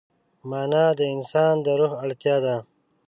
معنی د انسان د روح اړتیا ده.